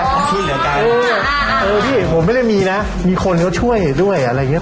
เออพี่ผมไม่ได้มีนะมีคนเขาช่วยด้วยอะไรเงี้ย